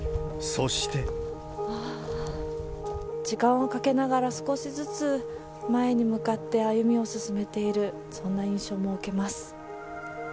時間をかけながら少しずつ前に向かって歩みを進めている、そんな印象も受けます。